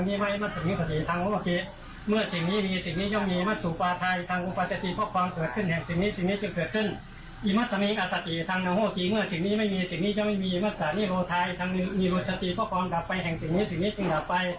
โดยดังมากในโลกโซเชียล